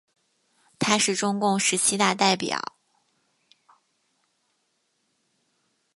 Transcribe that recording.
他是中共十七大代表。